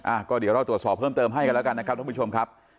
อ่ะก็เดี๋ยวเราตรวจสอบเพิ่มเติมให้กันแล้วกันนะครับทุกผู้ชมครับ